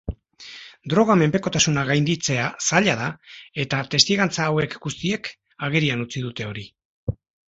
Droga-menpekotasuna gainditzea zaila da eta testigantza hauek guztiek agerian utzi dute hori.